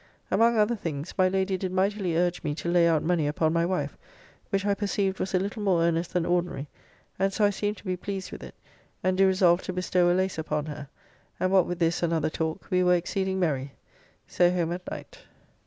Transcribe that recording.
Among other things my Lady did mightily urge me to lay out money upon my wife, which I perceived was a little more earnest than ordinary, and so I seemed to be pleased with it, and do resolve to bestow a lace upon her, and what with this and other talk, we were exceeding merry. So home at night.